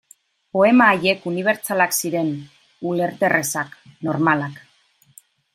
Poema haiek unibertsalak ziren, ulerterrazak, normalak.